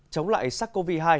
chống lại sars cov hai